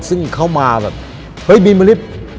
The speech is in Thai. ซึ่งเข้ามาแบบเฮ้ยบีมลิฟต์